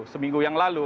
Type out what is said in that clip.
seminggu yang lalu